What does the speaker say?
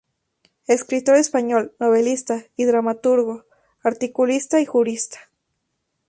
Escritor español, novelista y dramaturgo, articulista y jurista.